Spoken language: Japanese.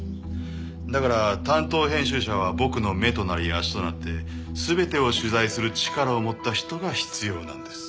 だから担当編集者は僕の目となり足となって全てを取材する力を持った人が必要なんです。